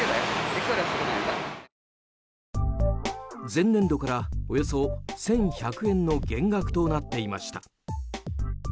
前年度からおよそ１１００円の減額となっていました。